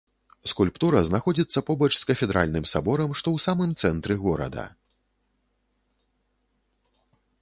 Скульптура знаходзіцца побач з кафедральным саборам, што ў самым цэнтры горада.